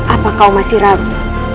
apa kau masih ragu